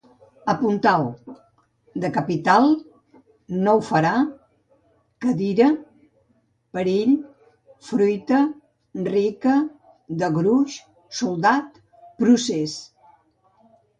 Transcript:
Apuntau: de capital, no ho farà, cadira, perill, fruita, rica, de gruix, soldat, procés